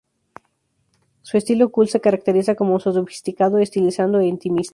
Su estilo cool se caracteriza como sofisticado, estilizado e intimista.